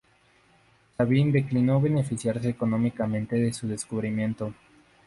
Sabin declinó beneficiarse económicamente de su descubrimiento.